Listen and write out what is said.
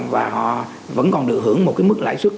và họ vẫn còn được hưởng một cái mức lãi suất